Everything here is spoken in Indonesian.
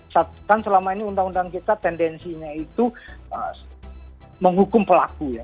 satu kan selama ini undang undang kita tendensinya itu menghukum pelaku ya